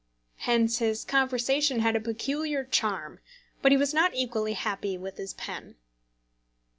Hence his conversation had a peculiar charm, but he was not equally happy with his pen.